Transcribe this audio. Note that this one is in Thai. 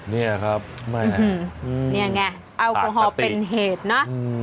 เนี่ยครับไม่แหละอาติดิเนี่ยไงแอลกอฮอล์เป็นเหตุนะ